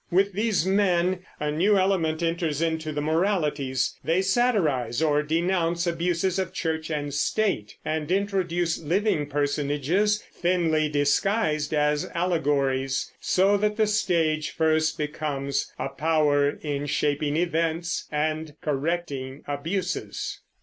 With these men a new element enters into the Moralities. They satirize or denounce abuses of Church and State, and introduce living personages thinly disguised as allegories; so that the stage first becomes a power in shaping events and correcting abuses.